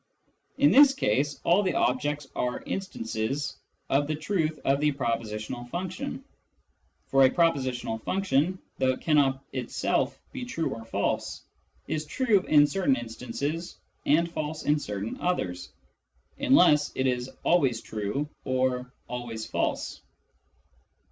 In this case all the objects are " instances " of the truth of the propositional function — for a prepositional function, though it cannot itself be true or false, is true in certain instances and false in certain others, unless it is " always true " or " always fals.e."